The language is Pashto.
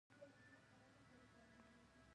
د افغانۍ د تبادلې نرخ نوسانات زیاتوي.